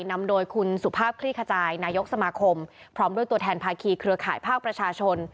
นำโดยคุณสุภาพคลี่ขจายนายกสมาคมพร้อมด้วยตัวแทนภาคีเครือข่ายภาคประชาชน